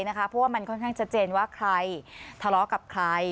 เพราะว่ามันค่อนข้างชัดเจนว่าใครทะเลาะกับใคร